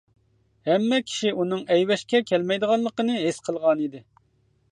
ھەممە كىشى ئۇنىڭ ئەيۋەشكە كەلمەيدىغانلىقىنى ھېس قىلغانىدى.